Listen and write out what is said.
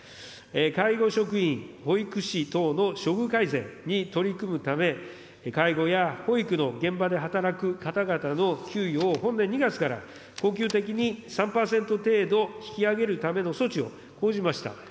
介護職員、保育士等の処遇改善に取り組むため、介護や保育の現場で働く方々の給与を本年２月から恒久的に３％程度、引き上げるための措置を講じました。